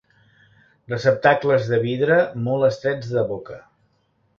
Receptacles de vidre molt estrets de boca.